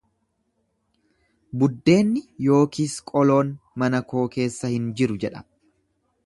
Buddeenni yookiis qoloon mana koo keessa hin jiru jedha.